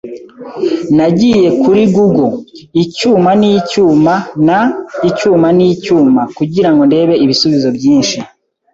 Nagiye kuri google "icyuma n 'icyuma" na "icyuma n icyuma" kugirango ndebe ibisubizo byinshi.